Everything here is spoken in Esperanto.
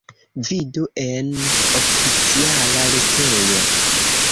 Vidu en oficiala retejo.